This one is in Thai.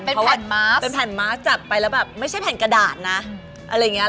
เป็นแผ่นมาร์คเป็นแผ่นมาร์คจับไปแล้วแบบไม่ใช่แผ่นกระดาษนะอะไรอย่างเงี้